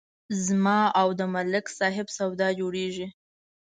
زما او د ملک صاحب سودا جوړېږي